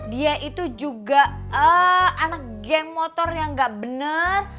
dia itu juga anak geng motor yang gak bener